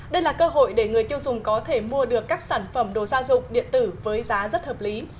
đây là cơ hội để người tiêu dùng có thể mua được các sản phẩm đồ gia dụng điện tử với giá rất hợp lý